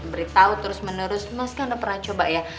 beritahu terus menerus mas kan udah pernah coba ya